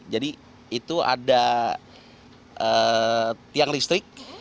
jadi itu ada tiang listrik